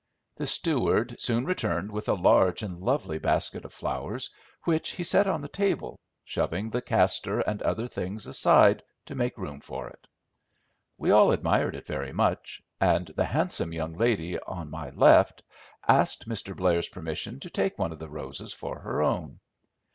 The steward soon returned with a large and lovely basket of flowers, which he set on the table, shoving the caster and other things aside to make room for it. We all admired it very much, and the handsome young lady on my left asked Mr. Blair's permission to take one of the roses for her own.